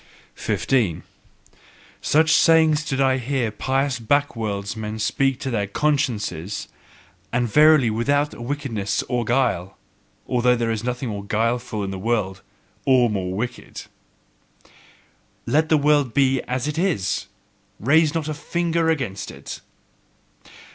15. Such sayings did I hear pious backworldsmen speak to their consciences, and verily without wickedness or guile, although there is nothing more guileful in the world, or more wicked. "Let the world be as it is! Raise not a finger against it!"